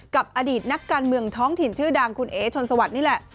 กับอดีตนักการเมืองท้องถิ่นชื่อดังคุณเอ๋ชนสวัสดิ์นี่แหละ